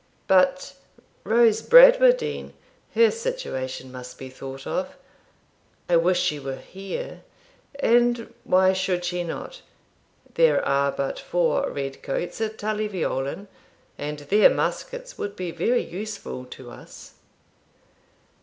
But Rose Bradwardine, her situation must be thought of; I wish she were here. And why should she not? There are but four red coats at Tully Veolan, and their muskets would be very useful to us.'